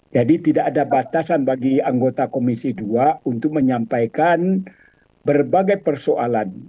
jadi tidak ada batasan bagi anggota komisi dua untuk menyampaikan berbagai persoalan